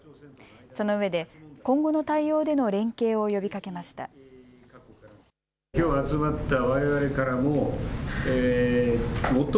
そのうえで今後の対応での連携を呼びかけました。